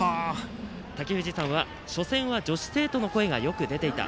たきふじさんは初戦は女子生徒の声がよく出ていた。